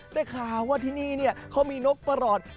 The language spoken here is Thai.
ได้ข่าวว่าที่นี่เขามีนกประหลอด